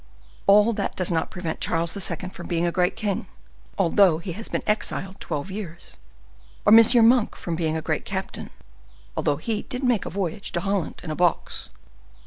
All that does not prevent Charles II. from being a great king, although he has been exiled twelve years, or M. Monk from being a great captain, although he did make a voyage to Holland in a box.